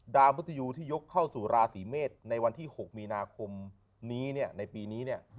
มุทยูที่ยกเข้าสู่ราศีเมษในวันที่๖มีนาคมนี้เนี่ยในปีนี้เนี่ย